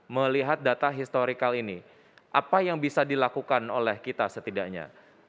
melihat data historikal ini apa yang bisa dilakukan oleh kita setidaknya